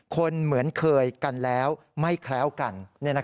เหมือนเคยกันแล้วไม่แคล้วกัน